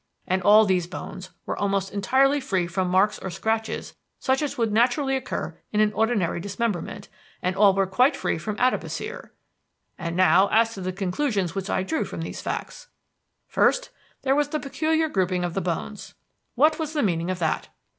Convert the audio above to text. And all these bones were almost entirely free from marks or scratches such as would naturally occur in an ordinary dismemberment and all were quite free from adipocere. And now as to the conclusions which I drew from these facts. First, there was the peculiar grouping of the bones. What was the meaning of that?